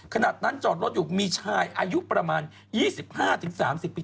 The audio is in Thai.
ขนาดนั้นจอดรถอยู่มีชายอายุประมาณ๒๕๓๐ปี